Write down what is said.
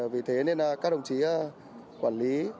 vì thế nên các đồng chí quản lý